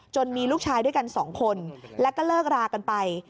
มีลูกชายด้วยกันสองคนแล้วก็เลิกรากันไป